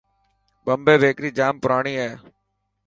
بمبي بيڪر جام پراڻي هي.